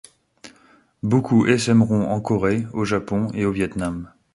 Beaucoup essaimeront en Corée, au Japon et au Viêt Nam.